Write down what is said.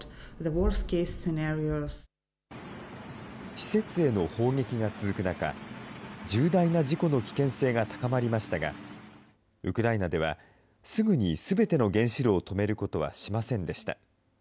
施設への砲撃が続く中、重大な事故の危険性が高まりましたが、ウクライナでは、すぐにすべての原子炉を止めることはしませんでした。